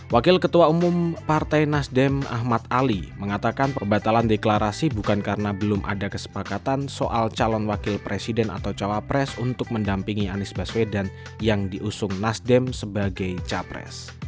wakil ketua umum partai nasdem ahmad ali mengatakan perbatalan deklarasi bukan karena belum ada kesepakatan soal calon wakil presiden atau cawapres untuk mendampingi anies baswedan yang diusung nasdem sebagai capres